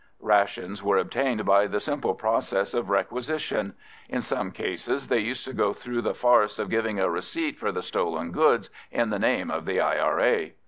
Rations were obtained by the simple process of requisition. In some cases they used to go through the farce of giving a receipt for the stolen goods in the name of the I.R.A.!